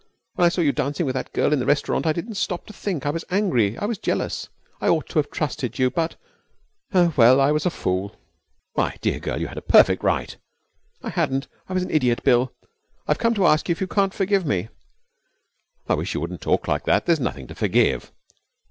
When I saw you dancing with that girl in the restaurant I didn't stop to think. I was angry. I was jealous. I ought to have trusted you, but Oh, well, I was a fool.' 'My dear girl, you had a perfect right ' 'I hadn't. I was an idiot. Bill, I've come to ask you if you can't forgive me.' 'I wish you wouldn't talk like that there's nothing to forgive.'